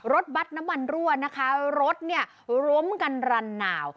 รถบัตรน้ำมันรั่วนะคะรถเนี่ยล้มกันรันหนาว